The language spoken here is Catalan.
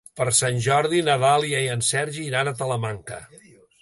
Per Sant Jordi na Dàlia i en Sergi iran a Talamanca.